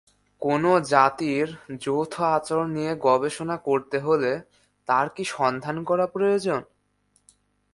কোনো জাতির যৌথ আচরণ নিয়ে গবেষণা করতে হলে তার কি সন্ধান করা প্রয়োজন?